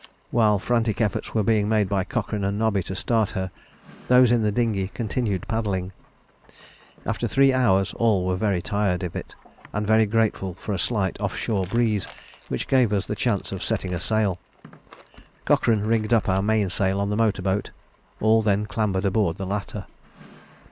While frantic efforts were being made by Cochrane and Nobby to start her, those in the dinghy continued paddling. After three hours all were very tired of it, and very grateful for a slight off shore breeze which gave us the chance of setting a sail. Cochrane rigged up our main sail on the motor boat; all then clambered aboard the latter.